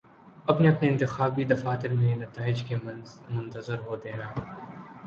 اپنے اپنے انتخابی دفاتر میں نتائج کے منتظر ہوتے ہیں